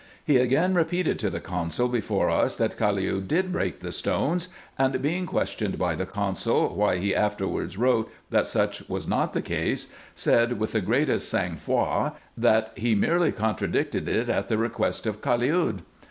He again repeated to the consul before us, that Caliud did break the stones : and being questioned by the consul, why he afterwards wrote, that such was not the case, said with the greatest sangfroid, that he merely con tradicted it at the request of Caliud.